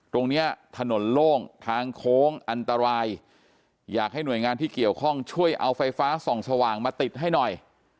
ตรงนี้ถนนโล่งทางโค้งอันตรายอยากให้หน่วยงานที่เกี่ยวข้องช่วยเอาไฟฟ้าส่องสว่างมาติดให้หน่อย